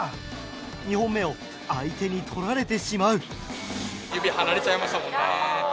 ２本目を相手に取られてしまう。